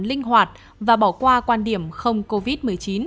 linh hoạt và bỏ qua quan điểm không covid một mươi chín